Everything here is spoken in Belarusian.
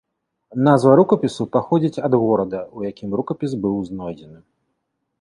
Назва рукапісу паходзіць ад горада, у якім рукапіс быў знойдзены.